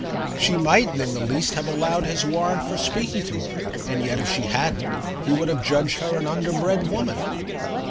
She mightn't in the least have allowed his warrant for speaking to her, and yet if she hadn't he would have judged her an underbred woman.